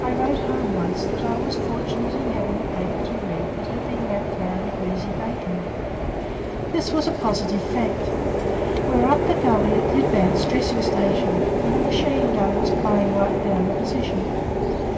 I wrote home once that I was fortunate in having a paper to read that had been wrapped round greasy bacon. This was a positive fact. We were up the gully at the advance dressing station, and a machine gun was playing right down the position.